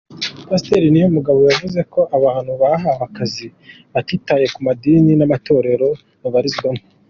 Pasiteri Niyomugabo yavuze ko abantu bahawe akazi batitaye ku madini n’amatorero babarizwamo.